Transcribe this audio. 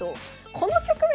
この局面